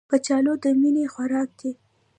کچالو د مینې خوراک دی